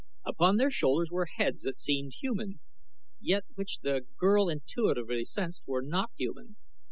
Upon their shoulders were heads that seemed human, yet which the girl intuitively sensed were not human.